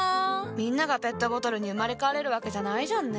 みんながペットボトルに生まれ変われるわけじゃないじゃんね。